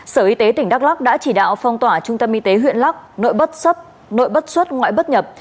sở y tế tp hcm đã chỉ đạo phong tỏa trung tâm y tế huyện lắc nội bất xuất ngoại bất nhập